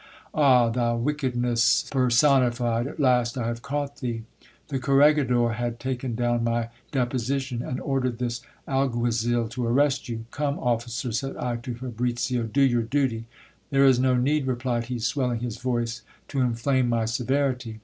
Ah ! thou wickedness per sonified, at last I have caught thee. The corregidor has taken down my depo sition, and ordered this alguazil to arrest you. Come, officer, said I to Fabricio, do your duty. There is no need, replied he, swelling his voice, to inflame my severity.